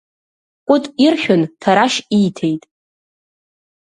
Кәыта иршәын, Ҭарашь ииҭеит.